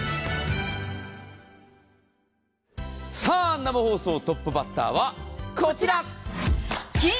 生放送トップバッターはこちら。